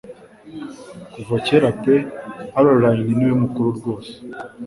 Kuva kera pe Allayne niwe mukuru rwose